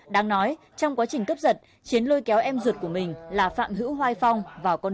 đáng nói trong quá trình cướp giật chiến lôi kéo em giật của mình là phạm hữu hoai phong vào con đường